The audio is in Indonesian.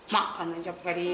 makan dong capok tadi